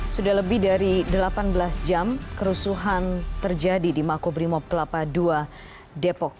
sudah lebih dari delapan belas jam kerusuhan terjadi di mako brimob kelapa dua depok